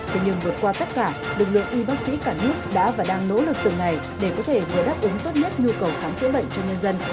thế nhưng vượt qua tất cả lực lượng y bác sĩ cả nước đã và đang nỗ lực từng ngày để có thể vừa đáp ứng tốt nhất nhu cầu khám chữa bệnh cho nhân dân